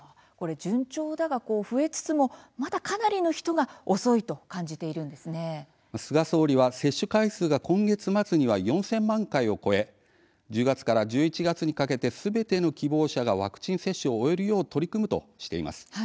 順調だ、が増えつつもまだかなりの人が菅総理は接種回数が今月末には４０００万回を超え１０月から１１月にかけてすべての希望者がワクチン接種を終えるよう取り組むとしています。